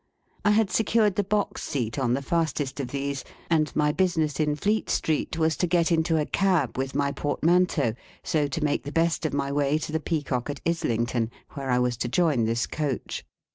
I had secured the box seat on the fastest of these, and my business in Fleet Street was to get into a cab with my portmanteau, so to make the best of my way to the Peacock at Islington, where I was to join this coach.